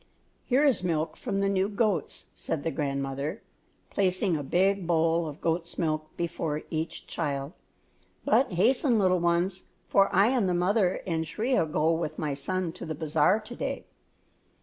"Here is milk from the new goats," said the grandmother, placing a big bowl of goat's milk before each child; "but hasten, little ones, for I and the mother and Shriya go with my son to the Bazaar to day.